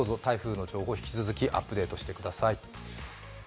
どうぞ台風の情報、引き続きアップデートしてください。